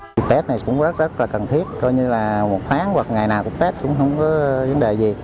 dịp tết này cũng rất là cần thiết coi như là một tháng hoặc ngày nào cũng tết cũng không có vấn đề gì